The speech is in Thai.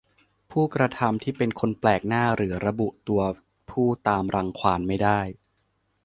ผู้กระทำที่เป็นคนแปลกหน้าหรือระบุตัวผู้ตามรังควานไม่ได้